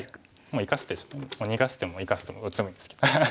もう生かして逃がしても生かしてもどっちでもいいですけど。